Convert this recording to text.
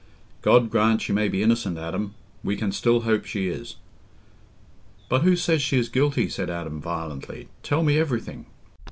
"God grant she may be innocent, Adam. We can still hope she is." "But who says she is guilty?" said Adam violently. "Tell me everything."